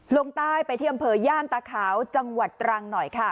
ลงใต้ไปเที่ยมเผย์ญาติตาขาวจังหวัดตรังหน่อยค่ะ